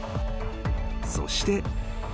［そして］